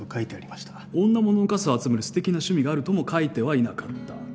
女物の傘を集めるすてきな趣味があるとも書いてはいなかった。